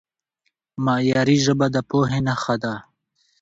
معیاري ژبه د پوهې نښه ده.